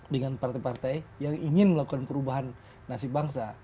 dengan partai partai yang ingin melakukan perubahan nasib bangsa